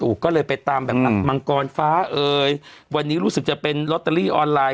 ก็เลยไปตามแบบมังกรฟ้าเอ่ยวันนี้รู้สึกจะเป็นลอตเตอรี่ออนไลน